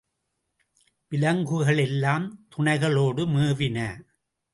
விலங்குகள் எல்லாம் துணைகளோடு மேவின.